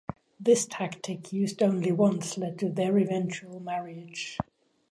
This tactic, used only once, led to their eventual marriage.